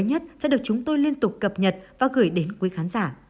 tin tức mới nhất sẽ được chúng tôi liên tục cập nhật và gửi đến quý khán giả